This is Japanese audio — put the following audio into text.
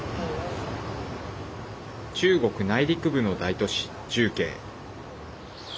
中国内陸部の大都市、重慶。